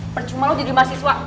percuma lo jadi mahasiswa